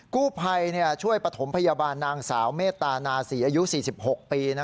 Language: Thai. กู้ภัยช่วยปฐมพยาบาลนางสาวเมตตานาศรีอายุ๔๖ปี